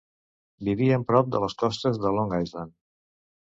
Vivien prop de les costes de Long Island.